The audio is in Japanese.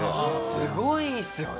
すごいですよね。